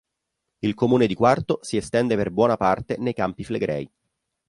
Il comune di Quarto si estende per buona parte nei campi flegrei.